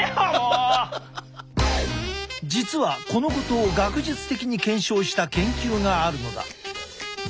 実はこのことを学術的に検証した研究があるのだ。